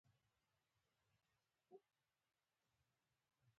برېټانیا پرانيستو سیاسي بنسټونو ته غېږ پرانېسته.